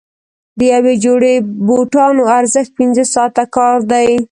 د یوې جوړې بوټانو ارزښت پنځه ساعته کار دی.